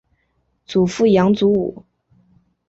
祖父杨祖武。